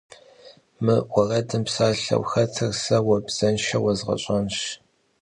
Мы уэрэдым псалъэу хэтыр сэ уэ бзэншэу уэзгъэщӏэнщ.